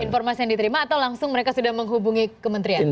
informasi yang diterima atau langsung mereka sudah menghubungi kementerian